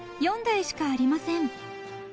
４台しかありません］